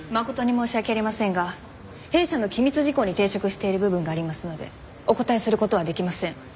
誠に申し訳ありませんが弊社の機密事項に抵触している部分がありますのでお答えする事はできません。